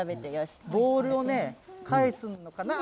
ボールをね、返すのかな？